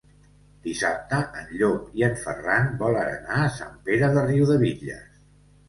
Dissabte en Llop i en Ferran volen anar a Sant Pere de Riudebitlles.